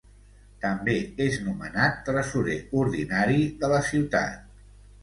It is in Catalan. També és nomenat Tresorer Ordinari de la ciutat.